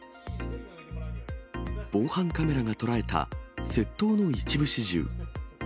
防犯カメラが捉えた、窃盗の一部始終。